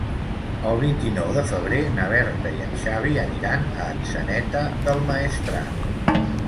El vint-i-nou de febrer na Berta i en Xavi aniran a Atzeneta del Maestrat.